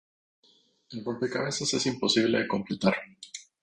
El rompecabezas es imposible de completar.